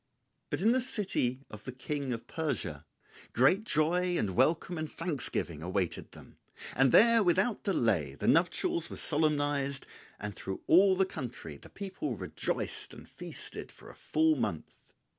But in the city of the King of Persia great joy and welcome and thanksgiving awaited them; and there without delay the nuptials were solemnized and through all the country the people rejoiced and feasted for a full month.